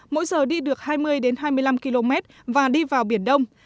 mỗi giờ đi được hai mươi hai mươi năm km và đi vào biển đông